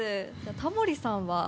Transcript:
タモリさんは？